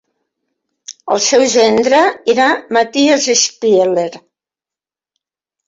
El seu gendre era Mathias Spieler.